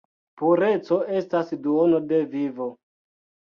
Pureco estas duono de vivo!